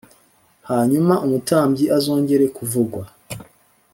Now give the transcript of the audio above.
Hanyuma umutambyi azongere kuvugwa